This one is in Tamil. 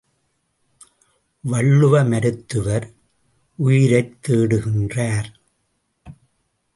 வள்ளுவ மருத்துவர் உயிரைத் தேடுகின்றார்.